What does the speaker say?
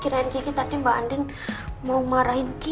kirain giki tadi mbak andien mau marahin giki